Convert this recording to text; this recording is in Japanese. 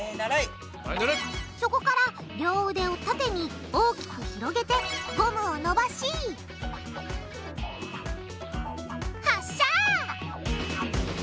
そこから両腕を縦に大きく広げてゴムをのばし発射！